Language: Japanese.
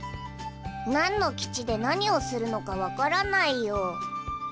何の基地で何をするのかわからないよ？